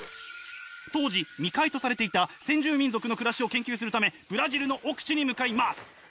当時未開とされていた先住民族の暮らしを研究するためブラジルの奥地に向かいます！